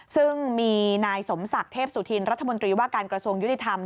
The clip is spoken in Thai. ซึ่งมีนายสมศักดิ์เทพสุธินรัฐมนตรีว่าการกระทรวงยุติธรรม